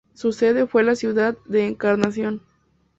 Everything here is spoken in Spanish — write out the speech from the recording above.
Su sede fue la ciudad de Encarnación.